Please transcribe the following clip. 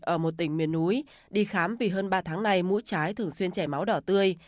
ở một tỉnh miền núi đi khám vì hơn ba tháng này mũ trái thường xuyên chảy máu đỏ tươi